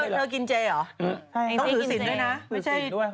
ใช่ใช่๑๕๐๐พี่ไอ้กินสินด้วยนะ